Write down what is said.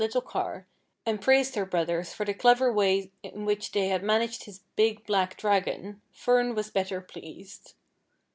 e car and praised her brothers for the clever way in which they had managed his big black Dragon, Fern was better pleased.